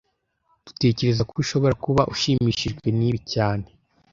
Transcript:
Dutekereza ko ushobora kuba ushimishijwe nibi cyane